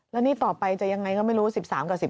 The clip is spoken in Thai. แล้วนี่ต่อไปจะยังไงก็ไม่รู้๑๓กับ๑๕